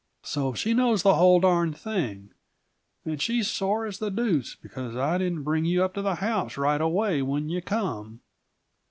So she knows the whole darned thing, and she's sore as the deuce because I didn't bring you up to the house right away when you came.